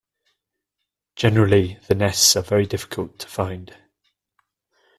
Generally the nests are very difficult to find.